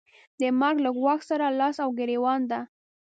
د مرګ له ګواښ سره لاس او ګرېوان ده.